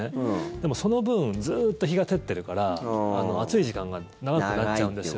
でも、その分ずっと日が照ってるから暑い時間が長くなっちゃうんですよ。